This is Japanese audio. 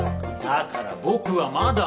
だから僕はまだ。